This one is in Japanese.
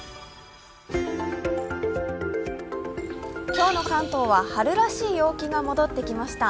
今日の関東は、春らしい陽気が戻ってきました。